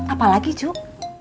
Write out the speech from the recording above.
apa lagi cuk